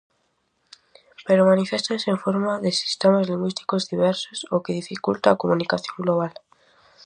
Pero maniféstase en forma de sistemas lingüísticos diversos o que dificulta a comunicación global.